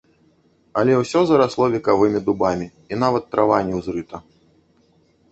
Але ўсё зарасло векавымі дубамі і нават трава не ўзрыта.